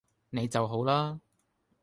你就好啦